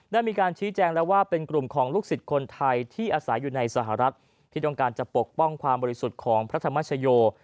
ได้มีการชี้แจงแล้วว่าเป็นกลุ่มของลูกศิษย์คนไทยที่อาศัยอยู่ในสหรัฐที่ต้องการจะปกป้องความบริสุทธิ์ของพระธรรมชโย